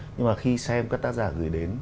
nhưng mà khi xem các tác giả gửi đến